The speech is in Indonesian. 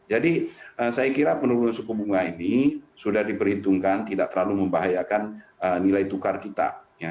jadi saya kira penurunan suku bunga ini sudah diperhitungkan tidak terlalu membahayakan nilai tukar kita